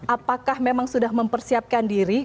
apakah memang sudah mempersiapkan diri